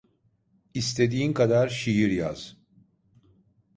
İstediğin kadar şiir yaz…